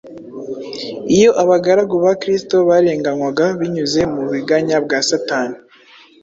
Iyo abagaragu ba Kristo barenganywaga binyuze mu buriganya bwa Satani,